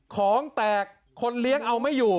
ของแตกคนเลี้ยงเอาไม่อยู่